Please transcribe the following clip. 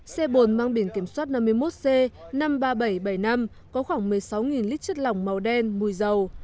xe bồn mang biển kiểm soát năm mươi một c năm mươi ba nghìn bảy trăm bảy mươi năm có khoảng một mươi sáu lít chất lỏng màu đen mùi dầu